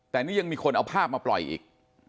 แต่นี่ยังมีคนเอาภาพมาปล่อยอีก